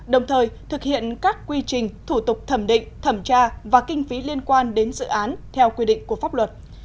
đồng thời thực hiện các quy trình thủ tục thẩm định thẩm tra và kinh phí liên quan đến dự án theo quy định của pháp luật